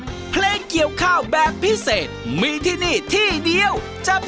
โอ้โหตั้งแต่เปิดรายการ